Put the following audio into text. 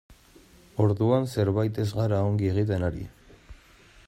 Orduan zerbait ez gara ongi egiten ari.